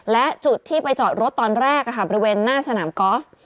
และจุดที่ไปจอดรถตอนแรกบริเวณหน้าสนามกอล์ฟ